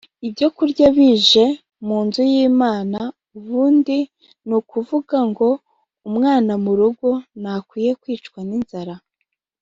ibyo kurya bije mu nzu y’Imana ubundi ni ukuvuga ngo umwana mu rugo ntakwiye kwicwa n’inzara